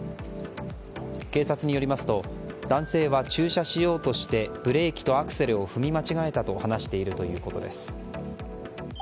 警察によりますと男性は駐車しようとしてブレーキとアクセルを踏み間違えたと話しているということです。